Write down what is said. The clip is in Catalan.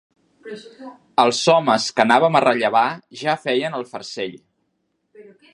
Els homes que anàvem a rellevar ja feien el farcell.